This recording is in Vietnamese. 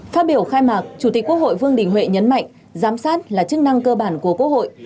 phát biểu khai mạc chủ tịch quốc hội vương đình huệ nhấn mạnh giám sát là chức năng cơ bản của quốc hội